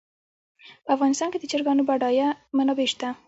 په افغانستان کې د چرګانو بډایه منابع شته.